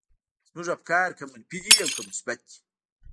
زموږ افکار که منفي دي او که مثبت دي.